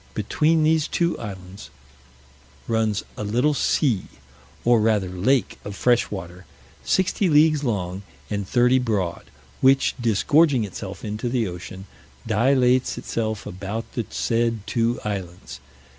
Between these two islands runs a little sea, or rather lake of fresh water, sixty leagues long, and thirty broad; which disgorging itself into the ocean, dilates itself about the said two islands.